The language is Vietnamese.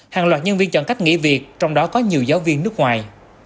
hàng loạt nhân viên chọn cách nghỉ việc trong đó có nhiều giáo viên nước ngoài